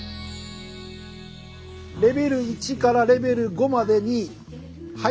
レベル１からレベル５までにええ！